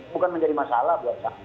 bukan menjadi masalah buat saya